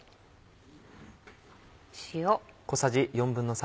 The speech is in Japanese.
塩。